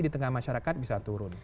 di tengah masyarakat bisa turun